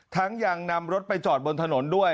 ยังนำรถไปจอดบนถนนด้วย